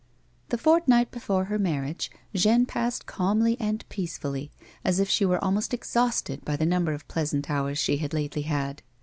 The fortnight before her marriage, Jeanne passed calmly and peacefully, as if she were almost exhausted by the number of pleasant hours she had lately had.